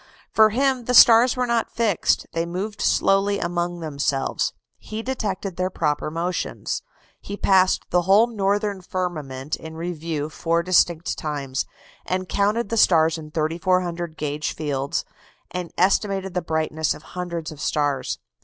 For him the stars were not fixed: they moved slowly among themselves. He detected their proper motions. He passed the whole northern firmament in review four distinct times; counted the stars in 3,400 gauge fields, and estimated the brightness of hundreds of stars.